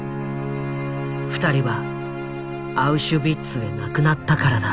２人はアウシュビッツで亡くなったからだ。